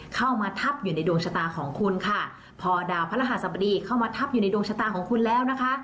เข้ามาทับอยู่ในดวงชะตาของคุณค่ะพอดาวพระรหัสบดีเข้ามาทับอยู่ในดวงชะตาของคุณแล้วนะคะ